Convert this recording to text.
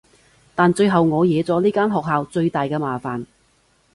但最後我惹咗呢間學校最大嘅麻煩